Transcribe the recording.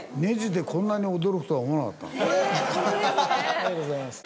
ありがとうございます。